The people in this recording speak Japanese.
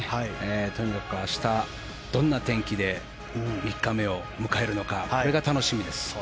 とにかく明日、どんな天気で３日目を迎えるのかこれが楽しみです。